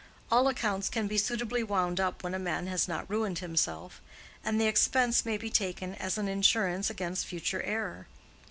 All accounts can be suitably wound up when a man has not ruined himself, and the expense may be taken as an insurance against future error.